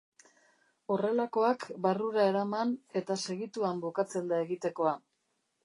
Horrelakoak, barrura eraman, eta segituan bukatzen da egitekoa.